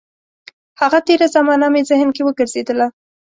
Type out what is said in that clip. هغه تېره زمانه مې ذهن کې وګرځېدله.